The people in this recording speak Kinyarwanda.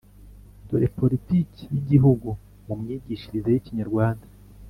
dore poritiki y’igihugu mu myigishirize y’ikinyarwanda